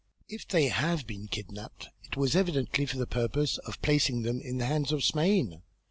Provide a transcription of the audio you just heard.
If they have been kidnapped it was evidently for the purpose of placing them in the hands of Smain.